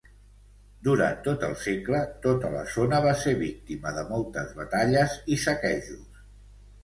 Durant tot el segle tota la zona va ser víctima de moltes batalles i saquejos.